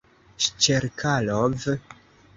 Ŝĉelkalov!